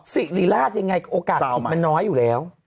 สิริราชยังไงโอกาสผิดมันน้อยอยู่แล้ว